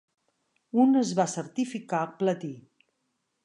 Un es va certificar Platí.